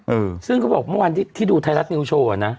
เออซึ่งเขาบอกเมื่อวานที่ดูไทยรัฐนิวโชว์อ่ะนะ